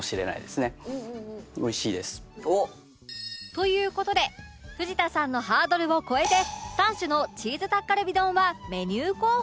という事で藤田さんのハードルを越えて３種のチーズタッカルビ丼はメニュー候補に